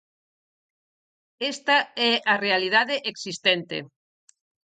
Esta é a realidade existente.